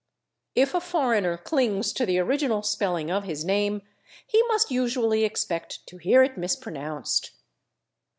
If a foreigner clings to the original spelling of his name he must usually expect to hear it mispronounced.